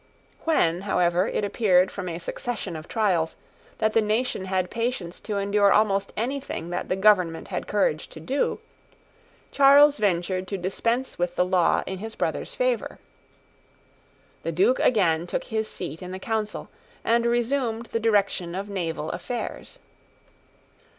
When, however, it appeared, from a succession of trials, that the nation had patience to endure almost anything that the government had courage to do, Charles ventured to dispense with the law in his brother's favour. The Duke again took his seat in the Council, and resumed the direction of naval affairs.